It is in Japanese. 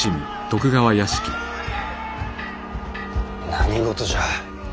何事じゃ。